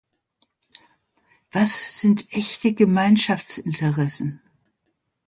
Was sind echte Gemeinschaftsinteressen?